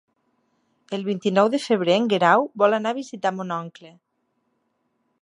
El vint-i-nou de febrer en Guerau vol anar a visitar mon oncle.